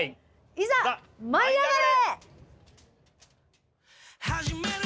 いざ舞いあがれ！